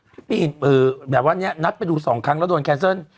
พี่แบบว่าเนี่ยนัดไปดูสองครั้งแล้วโดนแคนเซิล